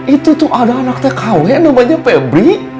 itu tuh ada anak tkw namanya pebri